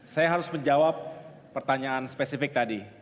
saya harus menjawab pertanyaan spesifik tadi